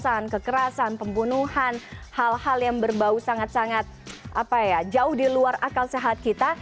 kekerasan kekerasan pembunuhan hal hal yang berbau sangat sangat jauh di luar akal sehat kita